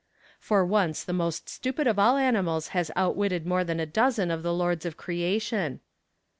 For once the most stupid of all animals has outwitted more than a dozen of the lords of creation.